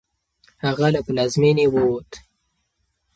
هغه له پلازمېنې ووت.